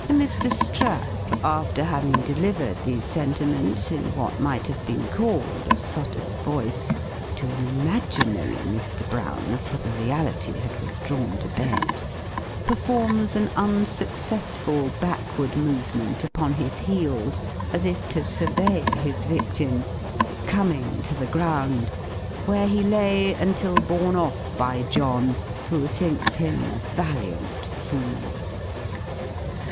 Mr. Strap, after having delivered these sentiments, in what might have been called a sotto voice, to an imaginary Mr. Brown (for the reality had withdrawn to bed), performs an unsuccessful backward movement upon his heels as if to survey his victim, coming to the ground; where he lay until borne off by John, who thinks him a valiant fool.